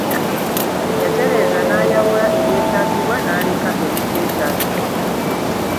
Yatereeza n'ayawula ebyetaagibwa n'aleka ebiteetaagibwa.